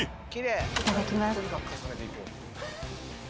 いただきます。